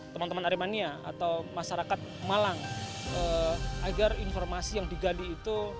teman teman aremania atau masyarakat malang agar informasi yang digali itu